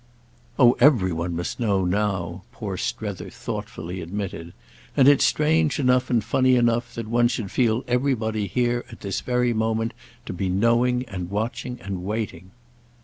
"Oh every one must know now," poor Strether thoughtfully admitted; "and it's strange enough and funny enough that one should feel everybody here at this very moment to be knowing and watching and waiting."